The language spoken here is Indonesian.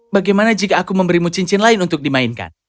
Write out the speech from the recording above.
bagaimana jika aku memberimu cincin lain untuk dimainkan